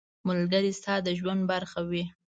ملګری ستا د ژوند برخه وي.